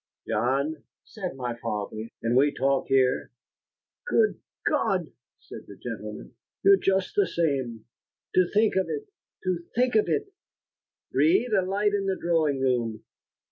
"John," said my father, "can we talk here?" "Good God!" said the gentleman, "you're just the same. To think of it to think of it! Breed, a light in the drawing room."